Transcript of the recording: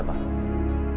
mobil yang di sini